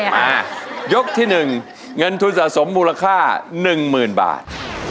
มายกที่๑เงินทุนสะสมมูลค่า๑๐๐๐บาท